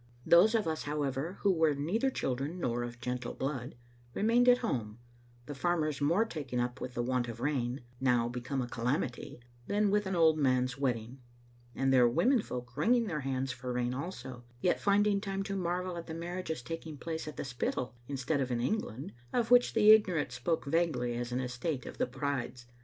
Those of us, however, who were neither children nor of gentle blood, remained at home, the farmers more taken up with the want of rain, now become a calamity, than with an old man's wedding, and their women folk wringing their hands for rain also, yet finding time to marvel at the marriage's taking place at the Spittal instead of in England, of which the ignorant spoke vaguely as an estate of the bride's.